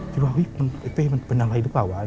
คิดว่าไอ้เต้มันเป็นอะไรหรือเปล่าวะ